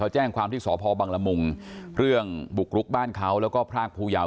แจ้งความที่สพบังละมุงเรื่องบุกรุกบ้านเขาแล้วก็พรากภูยาว